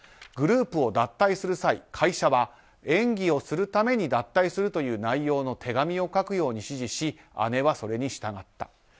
グループを脱退する際会社は演技をするために脱退するという内容の手紙を書くように指示し姉は、それに従った。